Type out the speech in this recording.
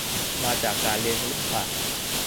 มาจากการเรียนคณิตศาสตร์